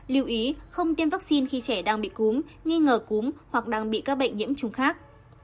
lưu ý không tiêm vaccine khi trẻ đang bị cúm nghi ngờ cúm hoặc đang bị các bệnh nhiễm trùng khác